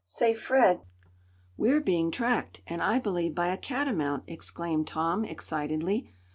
Say, Fred, we're being tracked, and I believe by a catamount," exclaimed Tom, excitedly.